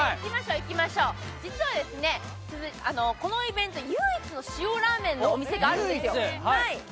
実はこのイベント唯一の塩ラーメンのお店があるんですよ。